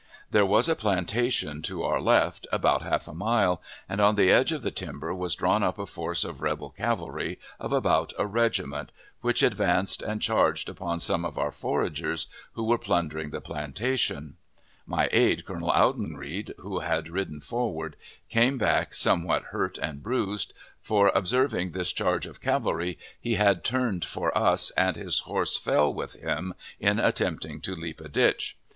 There was a plantation to our left, about half a mile, and on the edge of the timber was drawn up a force of rebel cavalry of about a regiment, which advanced, and charged upon some, of our foragers, who were plundering the plantation; my aide, Colonel Audenried, who had ridden forward, came back somewhat hurt and bruised, for, observing this charge of cavalry, he had turned for us, and his horse fell with him in attempting to leap a ditch.